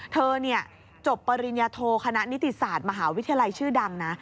เธอจบปริญญาโทคณะนิติศาสตร์มหาวิทยาลัยชื่อดังนะ